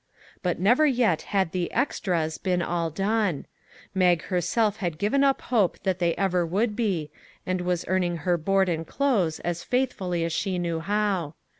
But never yet had the " extras " been all done. Mag herself had given up hope that they ever would be, and was earning her board and clothes as faithfully as she knew how.